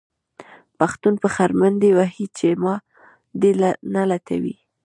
پښتون په خر منډې وهې چې ما دې نه لټوي.